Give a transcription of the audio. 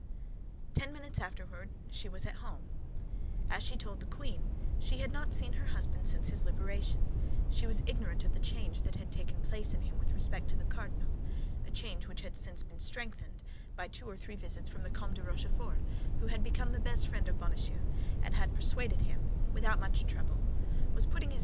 Ten minutes afterward she was at home. As she told the queen, she had not seen her husband since his liberation; she was ignorant of the change that had taken place in him with respect to the cardinal—a change which had since been strengthened by two or three visits from the Comte de Rochefort, who had become the best friend of Bonacieux, and had persuaded him, without much trouble, that no culpable sentiments had prompted the abduction of his wife, but that it was only a political precaution.